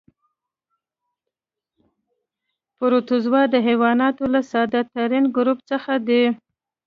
پروتوزوا د حیواناتو له ساده ترین ګروپ څخه دي.